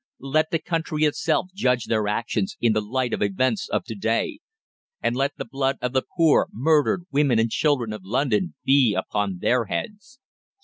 Let the country itself judge their actions in the light of events of to day, and let the blood of the poor murdered women and children of London be upon their heads.